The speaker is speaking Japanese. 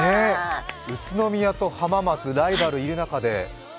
宇都宮と浜松、ライバルいる中で。